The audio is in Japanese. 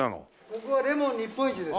ここはレモン日本一です。